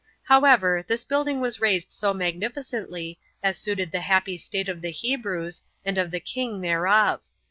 However, this building was raised so magnificently, as suited the happy state of the Hebrews, and of the king thereof.